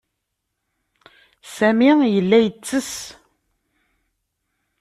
Sami yella yettess.